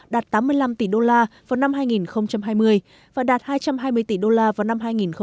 đạt tám mươi năm tỷ đô la vào năm hai nghìn hai mươi và đạt hai trăm hai mươi tỷ đô la vào năm hai nghìn hai mươi